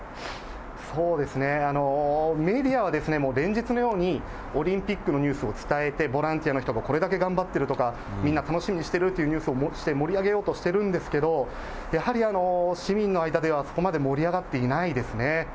そうですね、メディアはもう連日のようにオリンピックのニュースを伝えて、ボランティアの人がこれだけ頑張っているとか、みんな楽しみにしているというニュースで盛り上げようとしてるんですけど、やはり市民の間では、そこまで盛り上がっていないですね。